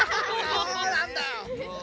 そうなんだよ。